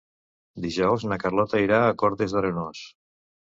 Dijous na Carlota irà a Cortes d'Arenós.